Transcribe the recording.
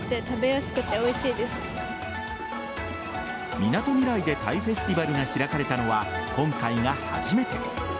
みなとみらいでタイフェスティバルが開かれたのは今回が初めて。